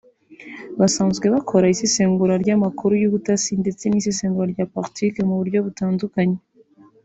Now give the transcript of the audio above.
basanzwe bakora isesengura ry’amakuru y’ubutasi ndetse n’isesengura rya politiki mu buryo butandukanye